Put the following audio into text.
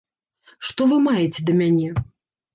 Што вы маеце да мяне?